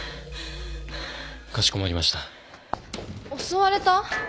襲われた？